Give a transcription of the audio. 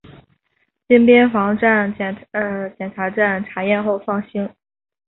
经边防检查站查验后放行。